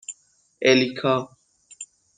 اِلیکا